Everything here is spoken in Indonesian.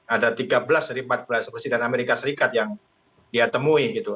ada tiga belas dari empat belas presiden amerika serikat yang dia temui gitu